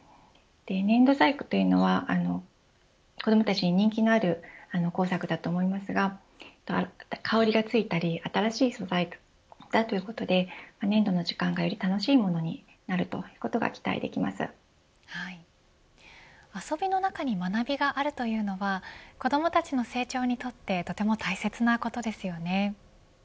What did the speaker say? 粘土細工というのは子どもたちに人気のある工作だと思いますが香りがついたり新しい素材だということで粘土の時間がより楽しいものになるということが期遊びの中に学びがあるというのは子どもたちの成長にとってとても大切なことですよね。